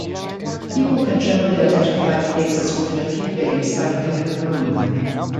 People can generally identify phases within a few days by looking at the moon.